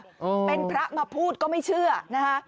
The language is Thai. เออเป็นพระมาพูดก็ไม่เชื่อนะคะ